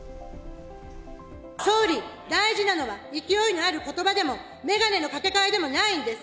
総理、大事なのは、勢いのあることばでも、メガネのかけ替えでもないんです。